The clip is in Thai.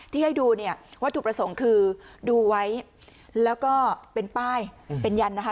ที่ให้ดูเนี่ยวัตถุประสงค์คือดูไว้แล้วก็เป็นป้ายเป็นยันนะคะ